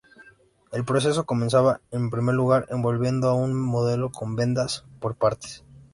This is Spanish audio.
El proceso comenzaba, en primer lugar, envolviendo a un modelo con vendas por partes.